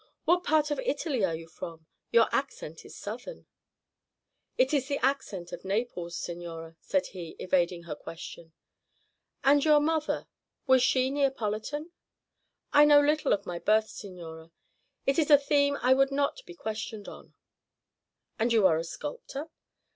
"What part of Italy are you from? Your accent is Southern." "It is the accent of Naples, signora," said he, evading her question. "And your mother, was she Neapolitan?" "I know little of my birth, signora. It is a theme I would not be questioned on." "And you are a sculptor?"